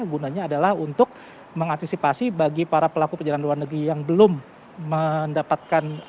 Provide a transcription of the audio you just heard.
gunanya adalah untuk mengantisipasi bagi para pelaku perjalanan luar negeri yang belum mendapatkan